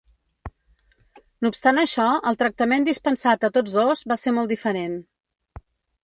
No obstant això, el tractament dispensat a tots dos va ser molt diferent.